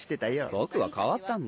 僕は変わったんだ。